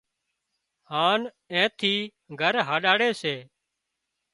هانَ اين ٿي گھر هينڏاڙي سي